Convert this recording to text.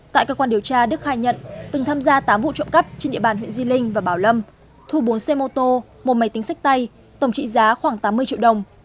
tại cơ quan điều tra đức khai nhận từng tham gia tám vụ trộm cắp trên địa bàn huyện di linh và bảo lâm thu bốn xe mô tô một máy tính sách tay tổng trị giá khoảng tám mươi triệu đồng